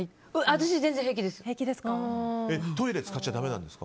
私、全然平気です。